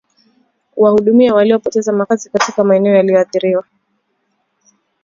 kuwahudumia waliopoteza makazi katika maeneo yaliyoathiriwa